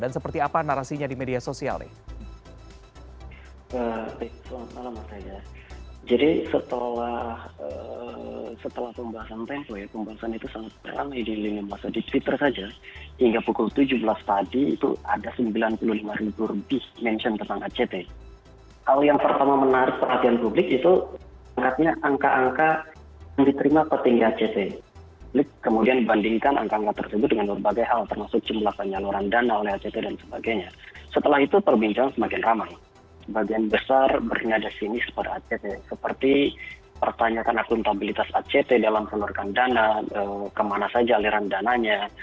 seperti pertanyaan akuntabilitas act dalam seluruhkan dana kemana saja aliran dananya